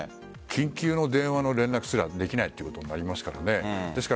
緊急の電話の連絡すらできないということになりますからね。